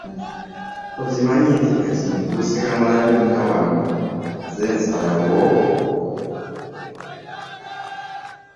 Okimanyi nti kati nfuuse kamalabyonna wano nze nsalawo?